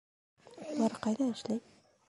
Улар ҡайҙа эшләй?